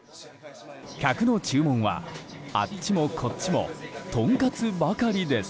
客の注文は、あっちもこっちもとんかつばかりです。